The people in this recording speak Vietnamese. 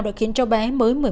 đã khiến cho bố của hắn